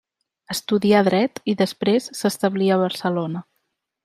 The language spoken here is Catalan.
Estudià Dret i després s'establí a Barcelona.